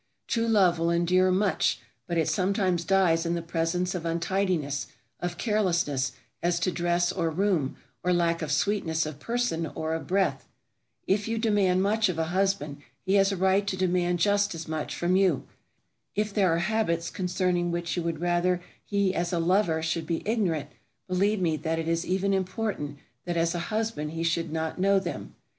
True love will endure much, but it sometimes dies in the presence of untidiness, of carelessness as to dress or room, or lack of sweetness of person or of breath. If you demand much of a husband, he has a right to demand just as much from you. If there are habits concerning which you would rather he as a lover should be ignorant, believe me that it is even more important that as a husband he should not know them.